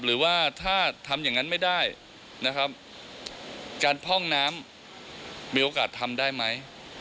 หรือว่าถ้าทำอย่างนั้นไม่ได้นะครับการพ่องน้ำมีโอกาสทำได้ไหม